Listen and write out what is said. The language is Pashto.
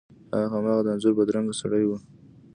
هغه هماغه د انځور بدرنګه سړی و.